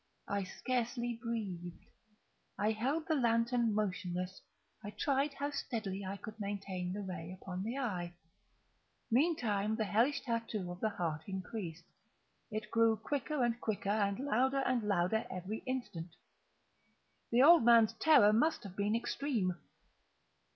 I scarcely breathed. I held the lantern motionless. I tried how steadily I could maintain the ray upon the eve. Meantime the hellish tattoo of the heart increased. It grew quicker and quicker, and louder and louder every instant. The old man's terror must have been extreme!